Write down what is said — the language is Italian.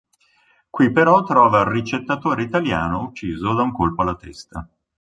Qui però trova il ricettatore italiano ucciso da un colpo alla testa.